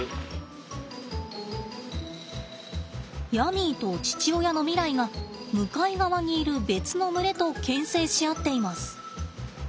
ヤミーと父親のミライが向かい側にいる別の群れとけん制し合っています。